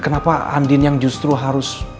kenapa andin yang justru harus